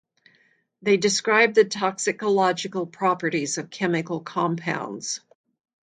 They describe the toxicological properties of chemical compounds.